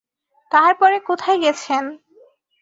তাহার পরে কোথায় গেছেন?